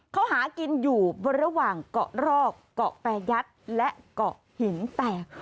เขาหากินอยู่บริเวณเกาะรอกเกาะแปรยัดและเกาะหินแตก